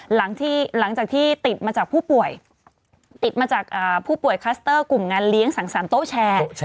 หลังจากที่ติดมาจากผู้ป่วยติดมาจากผู้ป่วยคลัสเตอร์กลุ่มงานเลี้ยงสังสรรคโต๊ะแชร์